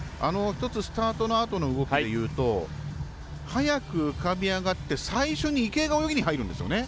ひとつスタートのあとの動きでいうと早く浮かび上がって最初に池江が泳ぎに入るんですよね。